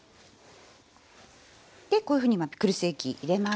でこういうふうにまあピクルス液入れました。